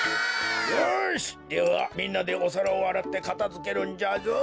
よしではみんなでおさらをあらってかたづけるんじゃぞ。